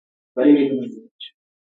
با سواده ښځه دټولنې څراغ ده